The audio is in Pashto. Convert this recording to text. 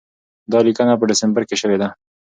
دا لیکنه په ډسمبر کې شوې ده.